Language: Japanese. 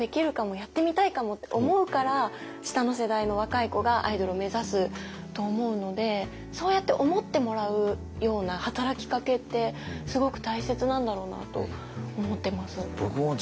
やってみたいかも！って思うから下の世代の若い子がアイドルを目指すと思うのでそうやって思ってもらうような働きかけってすごく大切なんだろうなと思ってます。